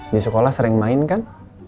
di sekolah sering main kan